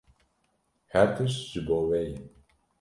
Her tişt ji bo we ye.